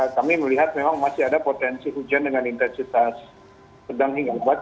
kami melihat memang masih ada potensi hujan dengan intensitas sedang hingga lebat